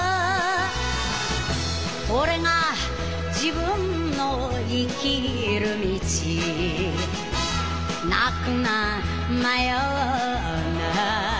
「これが自分の生きる道」「泣くな迷うな」